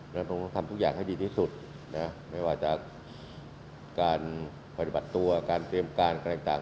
แล้วตรงต้องทำทุกอย่างให้ดีที่สุดนะไม่ว่าจากการปฏิบัติตัวการเตรียมการอะไรต่าง